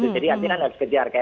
jadi artinya harus kejar